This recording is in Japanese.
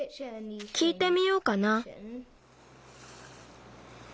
きいてみようかな。